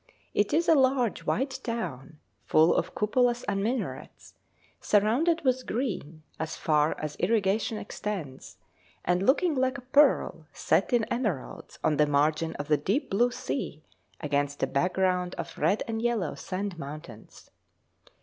It is a large white town, full of cupolas and minarets, surrounded with green as far as irrigation extends, and looking like a pearl set in emeralds on the margin of the deep blue sea against a background of red and yellow sand mountains.